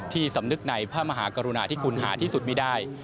สำนึกในพระมหากรุณาที่คุณหาที่สุดไม่ได้